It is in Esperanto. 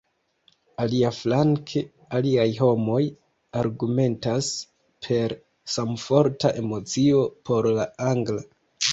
Aliaflanke, aliaj homoj argumentas, per samforta emocio, por la angla.